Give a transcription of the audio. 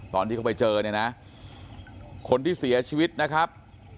ตอนที่เขาไปเจอเนี่ยนะคนที่เสียชีวิตนะครับ